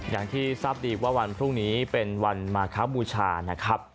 อย่างที่ทราบดีว่าวันพรุ่งนี้เป็นวันมาคบูชานะครับ